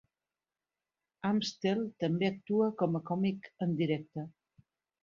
Amstell també actua com a còmic en directe.